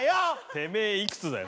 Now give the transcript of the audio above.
てめえいくつだよ。